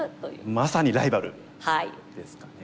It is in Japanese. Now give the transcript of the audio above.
まさにライバルですかね。